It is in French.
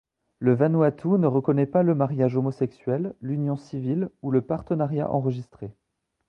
Le Vanuatu ne reconnaît pas le mariage homosexuel, l'union civile, ou le partenariat enregistré.